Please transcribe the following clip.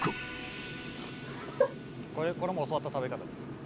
これも教わった食べ方です。